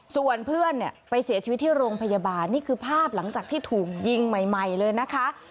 ส่วนเพื่อนเนี่ยไปเสียชีวิตที่โรงพยาบาลนี่คือภาพหลังจากที่ถูกยิงใหม่เลยนะคะ